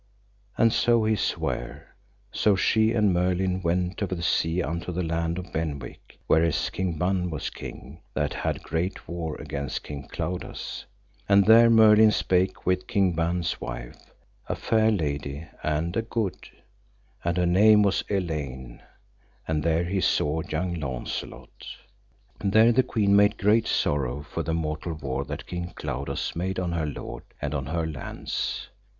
And so he sware; so she and Merlin went over the sea unto the land of Benwick, whereas King Ban was king that had great war against King Claudas, and there Merlin spake with King Ban's wife, a fair lady and a good, and her name was Elaine, and there he saw young Launcelot. There the queen made great sorrow for the mortal war that King Claudas made on her lord and on her lands.